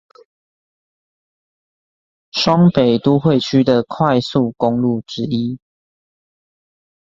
雙北都會區的快速公路之一